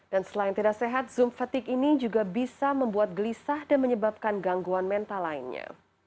dan selain tidak sehat zoom fatigue ini juga bisa membuat gelisah dan menyebabkan gangguan mental lainnya